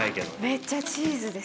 めっちゃチーズですね。